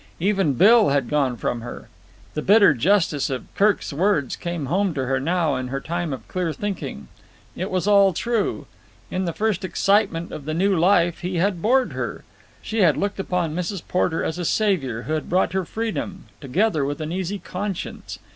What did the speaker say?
Even Bill had gone from her. The bitter justice of Kirk's words came home to her now in her time of clear thinking. It was all true. In the first excitement of the new life he had bored her. She had looked upon Mrs. Porter as a saviour who brought her freedom together with an easy conscience.